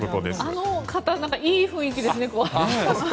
あの方いい雰囲気ですね。